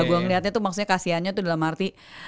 gue ngeliatnya tuh maksudnya kasiannya tuh dalam arti